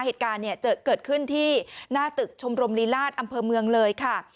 เหตุการณ์เนี่ยจะเกิดขึ้นที่หน้าตึกชมรมลีลาศอำเภอเมืองเลยค่ะ